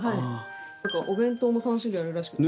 なんかお弁当も３種類あるらしくて。